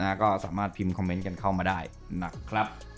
ก็สามารถพิมพ์คอมเมนต์กันเข้ามาได้หนักครับ